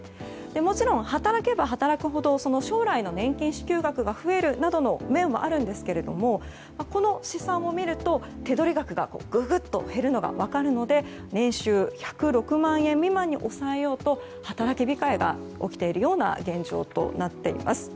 もちろん、働けば働くほど将来の年金支給額が増えるなどの面はあるんですけれどもこの試算を見ると手取り額がググッと減るのが分かるので年収１０６万円未満に抑えようと働き控えが起きているような現状となっています。